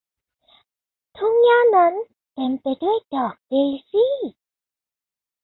ทุ่งหญ้านั้นเต็มไปด้วยดอกเดซี่